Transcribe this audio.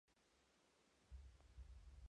Ambos comenzaron a trabajar como profesores.